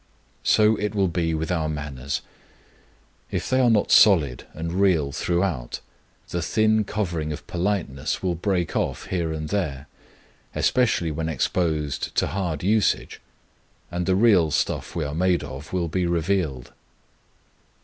So it will be with our manners. If they are not solid and real throughout, the thin covering of politeness will break off here and there, especially when exposed to hard usage, and the real stuff we are made of will be revealed.